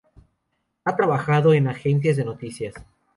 Ha trabajado en agencias de noticias.